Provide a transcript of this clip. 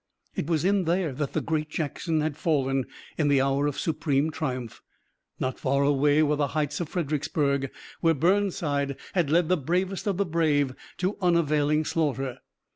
It was in there that the great Jackson had fallen in the hour of supreme triumph. Not far away were the heights of Fredericksburg, where Burnside had led the bravest of the brave to unavailing slaughter.